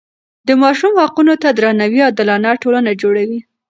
د ماشوم حقونو ته درناوی عادلانه ټولنه جوړوي.